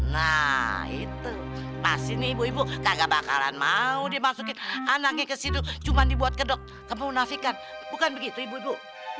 nah itu pas ini ibu ibu kagak bakalan mau dimasukin anaknya ke situ cuma dibuat kedok kemunafikan bukan begitu ibu ibu